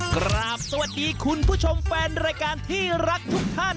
กราบสวัสดีคุณผู้ชมแฟนรายการที่รักทุกท่าน